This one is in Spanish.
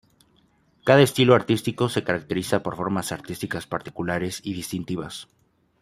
Cada estilo artístico se caracteriza por formas artísticas particulares y distintivas.